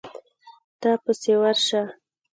ته پسې ورشه.